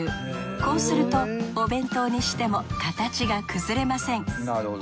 こうするとお弁当にしても形が崩れません。